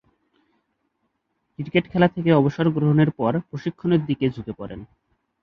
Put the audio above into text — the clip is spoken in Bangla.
ক্রিকেট খেলা থেকে অবসর গ্রহণের পর প্রশিক্ষণের দিকে ঝুঁকে পড়েন।